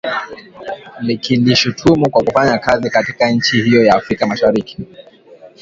likilishutumu kwa kufanya kazi katika nchi hiyo ya Afrika Mashariki